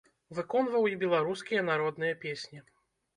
Выконваў і беларускія народныя песні.